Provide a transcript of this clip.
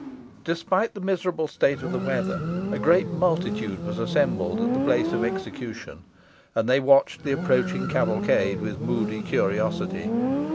Despite the miserable state of the weather, a great multitude was assembled at the place of execution, and they watched the approaching cavalcade with moody curiosity.